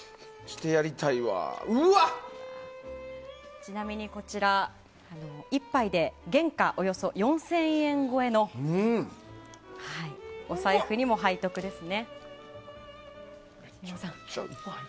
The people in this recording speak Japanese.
ちなみにこちら１杯で原価およそ４０００円超えとお財布にも背徳ですね。